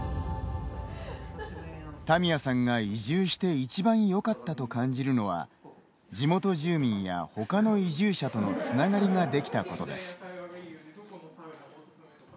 田宮さんが移住していちばんよかったと感じるのは地元住民やほかの移住者とのつながりができたことです。